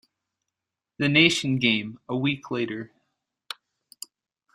The Nation Game a week later.